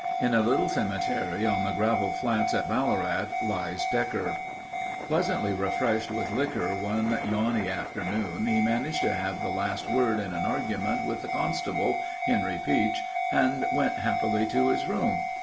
In a little cemetery on the gravel flats at Ballarat, lies Decker. Pleasantly refreshed with liquor one yawny afternoon he managed to have the last word in an argument with the constable, Henry Pietsch and went happily to his room.